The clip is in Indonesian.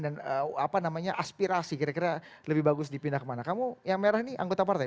dan apa namanya aspirasi kira kira lebih bagus dipindah kemana kamu yang merah nih anggota partai